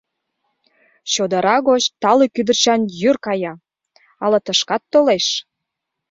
— Чодыра гоч тале кӱдырчан йӱр кая, ала тышкат толеш?